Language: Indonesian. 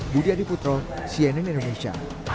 budi adiputro cnn indonesia